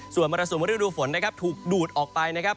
ส่วนมรสุมฤดูฝนนะครับถูกดูดออกไปนะครับ